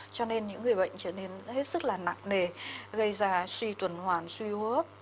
cho nên những người bệnh trở nên hết sức là nặng nề gây ra suy tuần hoàn suy hốp